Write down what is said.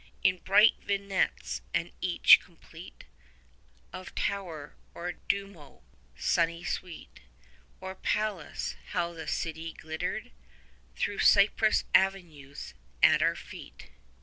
In bright vignettes, and each complete, 45 Of tower or duomo, sunny sweet, Or palace, how the city glittered, Thro' cypress avenues, at our feet.